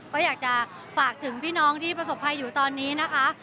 ก็อยากจะฝากถึงพี่น้องที่ประสบภัยอยู่ตอนนี้นะคะ